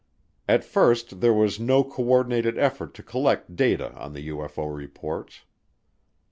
At first there was no co ordinated effort to collect data on the UFO reports.